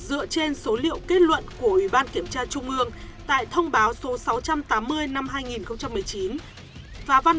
dựa trên số liệu kết luận của ủy ban kiểm tra trung ương tại thông báo số sáu trăm tám mươi năm hai nghìn một mươi chín và văn